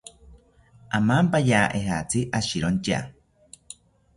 Amampaya ejatzi ashirontya